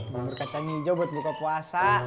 bubur kacang hijau buat buka puasa